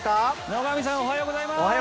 野上さんおはようございます。